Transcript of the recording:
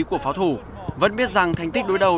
của pháo thủ vẫn biết rằng thành tích đối đầu